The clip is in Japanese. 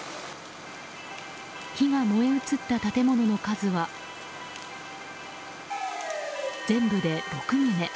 火が燃え移った建物の数は全部で６棟。